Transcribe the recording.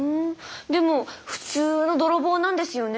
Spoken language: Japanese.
でも普通の泥棒なんですよね？